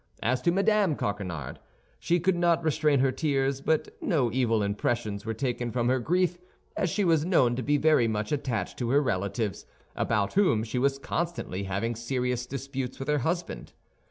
As to Mme. Coquenard, she could not restrain her tears; but no evil impressions were taken from her grief as she was known to be very much attached to her relatives, about whom she was constantly having serious disputes with her husband.